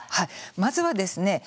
まずはですね